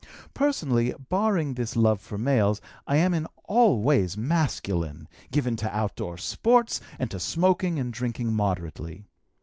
"Personally, barring this love for males, I am in all ways masculine, given to outdoor sports, and to smoking and drinking moderately.